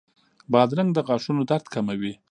بادرنګ د غاښونو درد کموي.